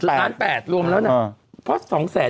๑๘ล้านรวมแล้วเนี่ย